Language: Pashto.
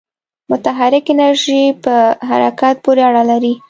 متحرک انرژی په حرکت پورې اړه لري.